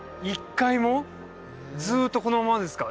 ずっとこのままですか？